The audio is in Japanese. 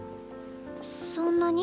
そんなに？